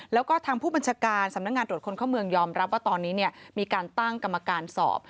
แล้วก็ทางผู้บัญชาการสำนักงานตรวจคนเข้าเมืองยอมรับว่าตอนนี้มีการตั้งกรรมการสอบ